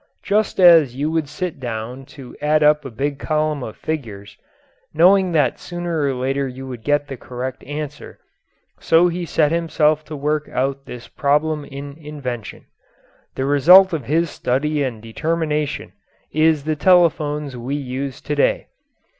Just as you would sit down to add up a big column of figures, knowing that sooner or later you would get the correct answer, so he set himself to work out this problem in invention. The result of his study and determination is the telephones we use to day.